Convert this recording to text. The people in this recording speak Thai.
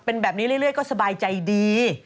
เป็นแบบนี้เรื่อยก็สบายใจดี